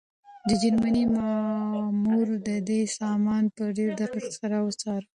د جرمني مامور د ده سامان په ډېر دقت سره وڅاره.